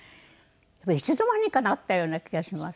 いつの間にかなったような気がします。